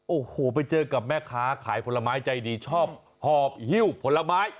โอ้โหไปเจอกับแม่ค้าขายผลไม้ใจดีชอบหอบหิ้วผลไม้